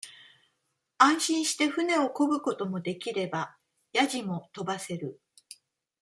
安心して舟をこぐこともできれば、やじもとばせる。